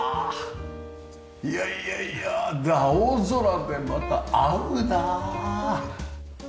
いやいやいや青空でまた合うなあ。